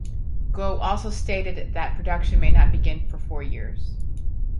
Gwo also stated that production may not begin for four years.